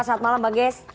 selamat malam bang ges